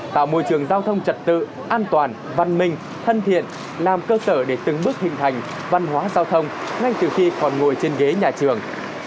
tạo môi trường giao thông trật tự an toàn văn minh thân thiện làm cơ sở để từng bước hình thành văn hóa giao thông ngay từ khi còn ngồi trên ghế nhà trường